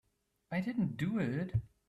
I didn't do it.